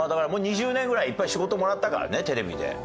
２０年ぐらいいっぱい仕事もらったからねテレビで。